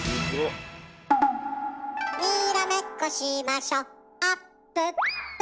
「にらめっこしましょあっぷっぷ」